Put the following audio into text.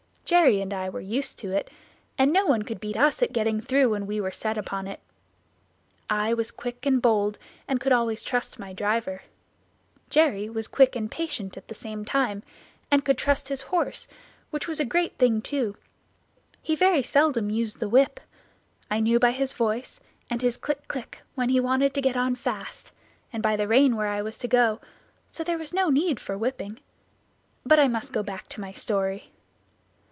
Jerry and I were used to it, and no one could beat us at getting through when we were set upon it. I was quick and bold and could always trust my driver; Jerry was quick and patient at the same time, and could trust his horse, which was a great thing too. He very seldom used the whip; I knew by his voice, and his click, click, when he wanted to get on fast, and by the rein where I was to go; so there was no need for whipping; but I must go back to my story.